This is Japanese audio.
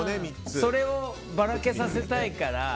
それをばらけさせたいから。